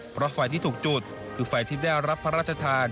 เพราะไฟที่ถูกจุดคือไฟที่ได้รับพระราชทาน